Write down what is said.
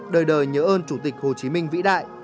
đời đời nhớ ơn chủ tịch hồ chí minh vĩ đại